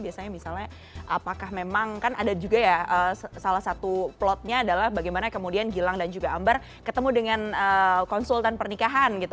biasanya misalnya apakah memang kan ada juga ya salah satu plotnya adalah bagaimana kemudian gilang dan juga ambar ketemu dengan konsultan pernikahan gitu